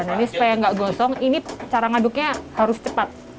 ini supaya enggak gosong ini cara ngaduknya harus cepat